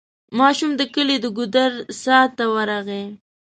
ماشوم د کلي د ګودر څا ته ورغی.